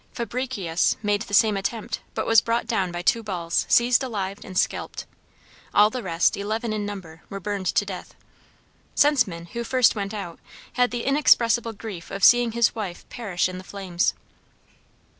Fabricius made the same attempt, but was brought down by two balls, seized alive and scalped. All the rest, eleven in number, were burned to death. Senseman, who first went out, had the inexpressible grief of seeing his wife perish in the flames.